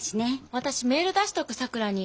私メール出しとくさくらに。